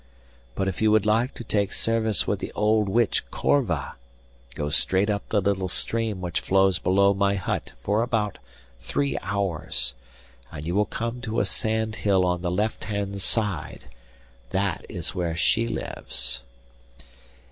But if you would like to take service with the old witch Corva, go straight up the little stream which flows below my hut for about three hours, and you will come to a sand hill on the left hand side; that is where she lives.